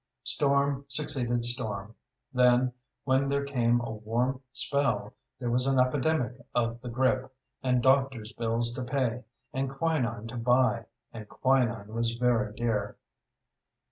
Storm succeeded storm; then, when there came a warm spell, there was an epidemic of the grippe, and doctors' bills to pay and quinine to buy and quinine was very dear.